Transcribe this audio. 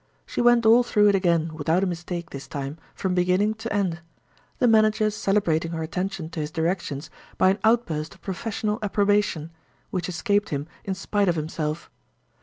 She went all through it again without a mistake, this time, from beginning to end; the manager celebrating her attention to his directions by an outburst of professional approbation, which escaped him in spite of himself.